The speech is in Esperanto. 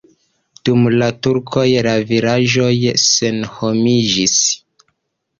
Dum la turkoj la vilaĝoj senhomiĝis.